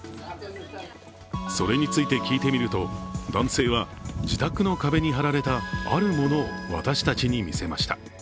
それについて聞いてみると男性は自宅の壁に貼られたあるものを私たちに見せました。